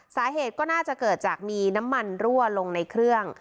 สาเหตุก็น่าจะเกิดจากมีน้ำมันรั่วลงในเครื่อง